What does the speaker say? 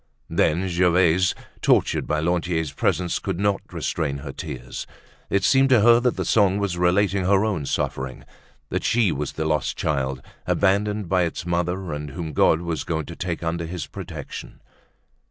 Then Gervaise, tortured by Lantier's presence, could not restrain her tears; it seemed to her that the song was relating her own suffering, that she was the lost child, abandoned by its mother, and whom God was going to take under his protection.